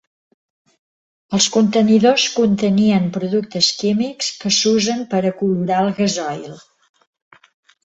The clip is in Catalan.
Els contenidors contenien productes químics que s'usen per a colorar el gasoil.